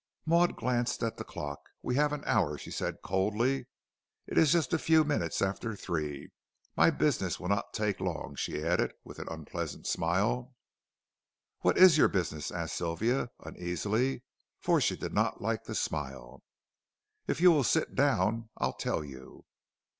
Maud glanced at the clock. "We have an hour," she said coldly; "it is just a few minutes after three. My business will not take long," she added, with an unpleasant smile. "What is your business?" asked Sylvia, uneasily, for she did not like the smile. "If you will sit down, I'll tell you."